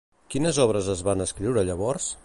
Quines obres es van escriure llavors?